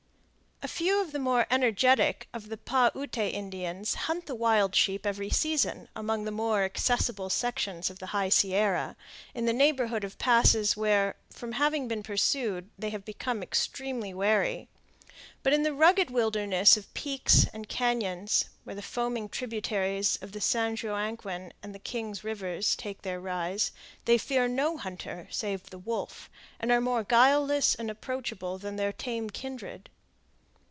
A few of the more energetic of the Pah Ute Indians hunt the wild sheep every season among the more accessible sections of the High Sierra, in the neighborhood of passes, where, from having been pursued, they have become extremely wary; but in the rugged wilderness of peaks and cañons, where the foaming tributaries of the San Joaquin and King's rivers take their rise, they fear no hunter save the wolf, and are more guileless and approachable than their tame kindred.